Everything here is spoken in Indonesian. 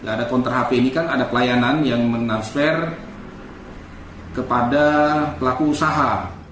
ada konter hp ini kan ada pelayanan yang men transfer kepada pelaku usaha